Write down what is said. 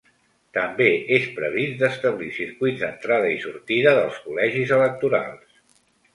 També és previst d’establir circuits d’entrada i sortida dels col·legis electorals.